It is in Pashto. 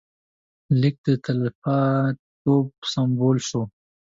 لیک د تلپاتېتوب سمبول شو.